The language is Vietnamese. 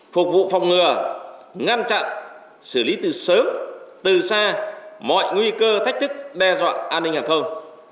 phục vụ phòng ngừa ngăn chặn xử lý từ sớm từ xa mọi nguy cơ thách thức đe dọa an ninh hàng không